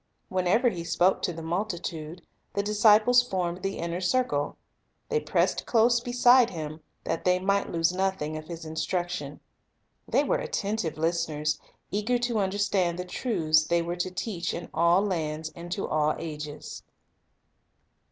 Whenever He spoke to the multitude, the disciples formed the inner circle. They pressed close beside Him, that they might lose nothing of His instruction. They were attentive listeners, eager to understand the truths they were to teach in all lands and to all ages.